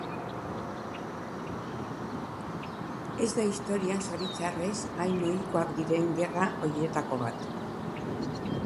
Ez da historian zoritxarrez hain ohikoak diren gerra horietako bat.